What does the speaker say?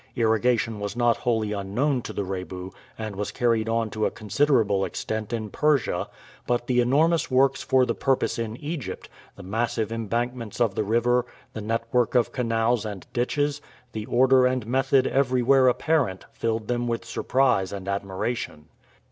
Irrigation was not wholly unknown to the Rebu, and was carried on to a considerable extent in Persia; but the enormous works for the purpose in Egypt, the massive embankments of the river, the network of canals and ditches, the order and method everywhere apparent, filled them with surprise and admiration.